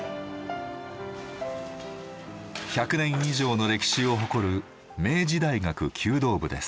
１００年以上の歴史を誇る明治大学弓道部です。